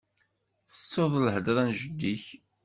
Tettuḍ lhedra n jeddi-k